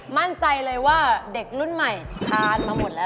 มั่นใจเลยว่าเด็กรุ่นใหม่ทานมาหมดแล้ว